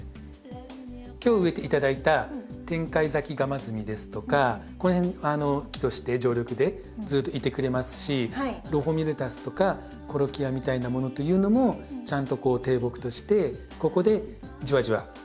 今日植えて頂いたテンカイザキガマズミですとかこの辺木として常緑でずっといてくれますしロフォミルタスとかコロキアみたいなものというのもちゃんと低木としてここでじわじわ育ってくれる感じになりますので。